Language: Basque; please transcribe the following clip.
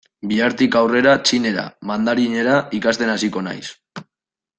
Bihartik aurrera txinera, mandarinera, ikasten hasiko naiz.